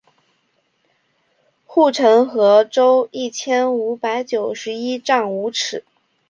护城河周一千五百九十一丈五尺。